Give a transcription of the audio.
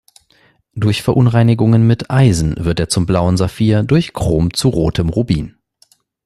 Durch Verunreinigungen mit Eisen wird er zum blauen Saphir, durch Chrom zu rotem Rubin.